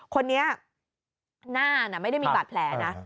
คนนี้หน้าน่ะไม่ได้มีบัตรแผลนะ